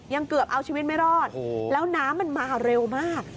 ยังเกือบเอาชีวิตไม่รอดแล้วน้ำมันมาเร็วมาก